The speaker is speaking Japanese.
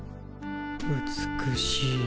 美しい。